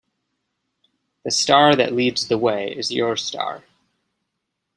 The star that leads the way is your star.